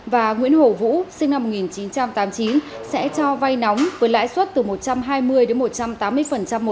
và nguyễn hổ vũ sinh năm một nghìn chín trăm tám mươi chín sẽ cho vay nóng với lãi suất từ một trăm hai mươi đến một trăm tám mươi một năm